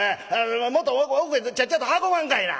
もっと奥へちゃっちゃと運ばんかいな。